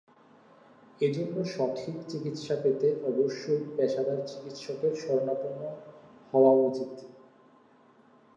এজন্য সঠিক চিকিৎসা পেতে অবশ্যই পেশাদার চিকিৎসকের শরণাপন্ন হওয়া উচিত।